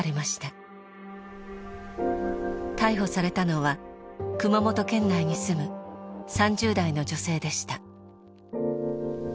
逮捕されたのは熊本県内に住む３０代の女性でした。